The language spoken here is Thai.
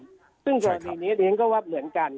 ใช่ค่ะซึ่งกรณีเนี้ยดังนั้นก็ว่าเหลืองกัน